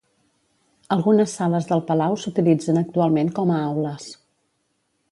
Algunes sales del palau s'utilitzen actualment com a aules.